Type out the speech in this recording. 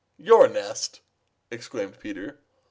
"Your nest!" exclaimed Peter.